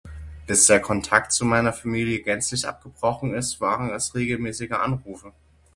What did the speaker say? Bis der Kontakt zu meiner Familie gänzlich abgebrochen ist, waren es regelmäßige Anrufe.